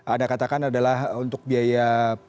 anda katakan adalah untuk biaya perusahaan itu